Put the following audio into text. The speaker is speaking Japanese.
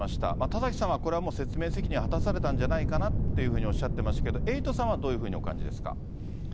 田崎さんはこれはもう、説明責任、果たされたんじゃないかなっていうふうにおっしゃってますけど、エイトさんはどういうふうにお感じですか。